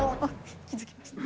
気づきました。